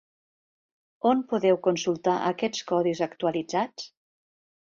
On podeu consultar aquests codis actualitzats?